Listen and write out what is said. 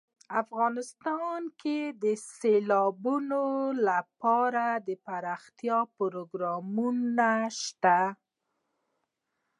افغانستان کې د سیلابونه لپاره دپرمختیا پروګرامونه شته.